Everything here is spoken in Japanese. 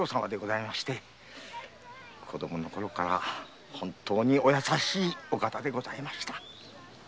子供のころから本当にお優しい方でございました。